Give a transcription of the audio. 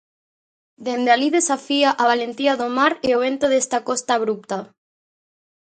Dende alí desafía a valentía do mar e o vento desta costa abrupta.